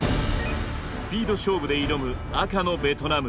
スピード勝負で挑む赤のベトナム。